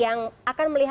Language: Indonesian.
yang akan melihat